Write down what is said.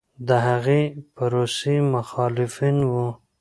د هغې پروسې مخالفین و